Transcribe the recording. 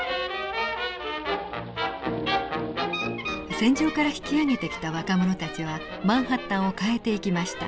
戦場から引き揚げてきた若者たちはマンハッタンを変えていきました。